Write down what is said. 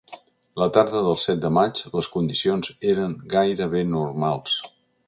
La tarda del set de maig, les condicions eren gairebé normals.